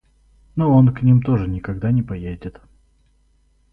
Но он к ним тоже никогда не поедет.